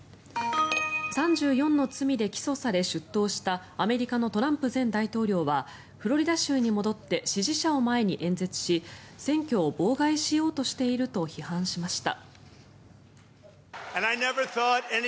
３４の罪で起訴され出頭したアメリカのトランプ前大統領はフロリダ州に戻って支持者を前に演説し選挙を妨害しようとしていると批判しました。